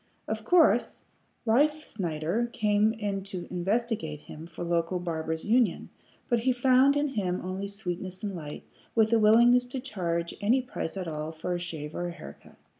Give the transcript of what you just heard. Of course Riefsnyder came to investigate him for the local Barbers' Union, but he found in him only sweetness and light, with a willingness to charge any price at all for a shave or a haircut.